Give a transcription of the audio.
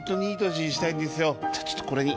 じゃあちょっとこれに。